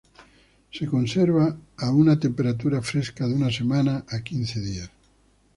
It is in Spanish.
Se conserva a una temperatura fresca de una semana a quince días.